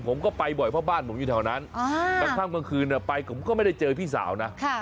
ผมก็ไปบ่อยเพราะบ้านผมอยู่แถวนั้นกระทั่งกลางคืนไปผมก็ไม่ได้เจอพี่สาวนะ